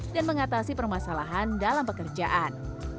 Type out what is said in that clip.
dan mengatasi permasalahan dalam pekerjaan